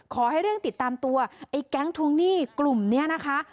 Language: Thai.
ขอให้เร่งติดตามตัวไอ้แก๊งทวงหนี้กลุ่มนี้นะคะ